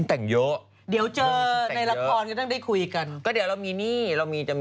เล่นเป็นผู้หญิงใช่ไหม